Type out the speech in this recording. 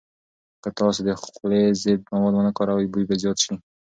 که تاسو د خولې ضد مواد ونه کاروئ، بوی به زیات شي.